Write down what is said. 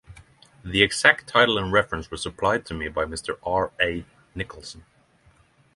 The exact title and reference were supplied to me by Mr. R. A. Nicholson.